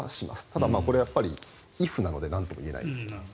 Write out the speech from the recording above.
ただこれはやっぱりイフなのでなんとも言えないです。